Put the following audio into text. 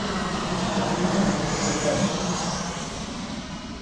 Gaztetan artzain ibili zen.